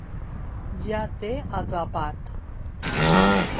Ja t'he atrapat.